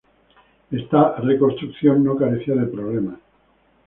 Esta reconstrucción no carecía de problemas.